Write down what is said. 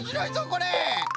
これ。